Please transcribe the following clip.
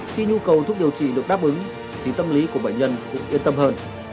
khi nhu cầu thuốc điều trị được đáp ứng thì tâm lý của bệnh nhân cũng yên tâm hơn